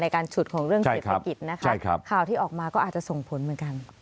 ในการฉุดของเรื่องกิจประกิจข่าวที่ออกมาก็อาจจะส่งผลเหมือนกัน